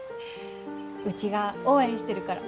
うちが応援してるから。